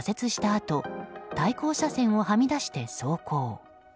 あと対向車線をはみ出して走行。